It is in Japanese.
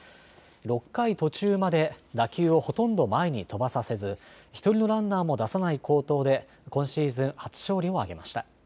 ６回途中まで打球をほとんど前に飛ばさせず１人のランナーも出さない好投で今シーズン初勝利を挙げました。